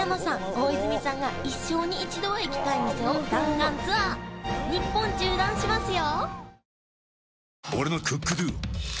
大泉さんが一生に一度は行きたい店を弾丸ツアー日本縦断しますよ